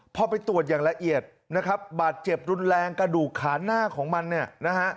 พอไปตรวจอย่างละเอียดนะครับบาดเจ็บรุนแรงกระดูกขาหน้าของมันเนี่ยนะฮะ